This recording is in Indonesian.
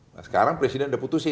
nah sekarang presiden udah putusin